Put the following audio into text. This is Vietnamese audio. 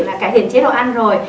là cải thiện chế độ ăn rồi